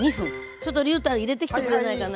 ちょっとりゅうた入れてきてくれないかな。